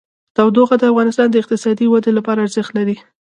تودوخه د افغانستان د اقتصادي ودې لپاره ارزښت لري.